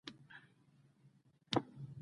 د ناصرو او سلیمان خېلو بدۍ په نیکۍ بدله شوه.